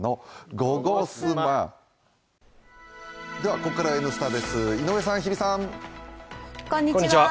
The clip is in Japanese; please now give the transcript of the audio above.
ここから「Ｎスタ」です井上さん、日比さん。